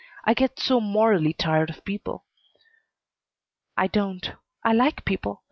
I get so mortally tired of people " "I don't. I like people.